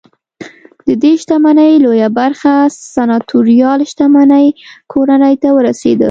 ددې شتمنۍ لویه برخه سناتوریال شتمنۍ کورنۍ ته ورسېده